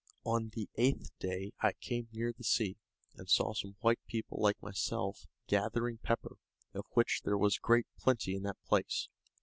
On the eighth day I came near the sea, and saw some white people like myself gathering pepper, of which there was great plenty in that place.